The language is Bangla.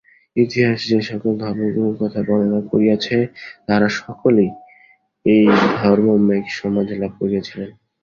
ইতিহাস যে-সকল ধর্মগুরুর কথা বর্ণনা করিয়াছে, তাঁহারা সকলেই এই ধর্মমেঘ-সমাধি লাভ করিয়াছিলেন।